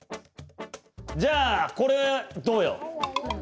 じゃあこれどうよ。